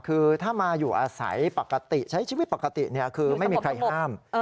คือถ้ามาอยู่อาศัยปกติใช้ชีวิตปกติคือไม่มีใครห้าม